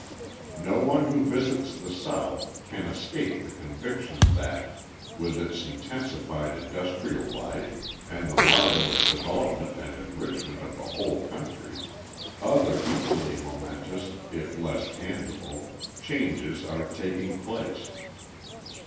No one who visits the South can escape the conviction that, with its intensified industrial life, and the marvelous development and enrichment of the whole country, other equally momentous, if less tangible, changes are taking place.